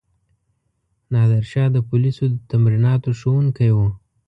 نادرشاه د پولیسو د تمریناتو ښوونکی وو.